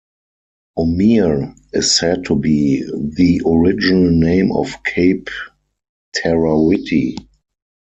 Omere is said to be the original name of Cape Terawhiti.